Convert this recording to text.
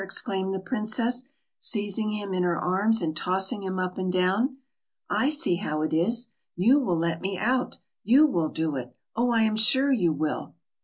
exclaimed the princess, seizing him in her arms, and tossing him up and down. "I see how it is: you will let me out you will do it. Oh, I am sure you will!"